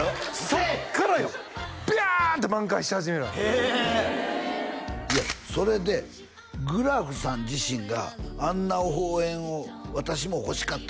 そっからよびゃって挽回し始めたへえいやそれでグラフさん自身が「あんな応援を私も欲しかった」